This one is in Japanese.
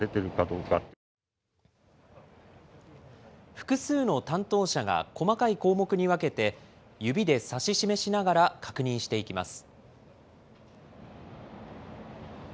複数の担当者が、細かい項目に分けて、指でさし示しながら確認していきます。